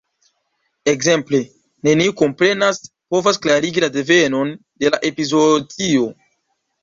Ekzemple: neniu komprenas, povas klarigi la devenon de la epizootio.